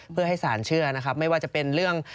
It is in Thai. เพื่อให้ศาลเชื่อนะครับไม่ว่าจะเป็นเรื่อง